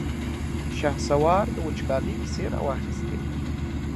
شهسوار د وچکالۍ کيسې را واخيستې.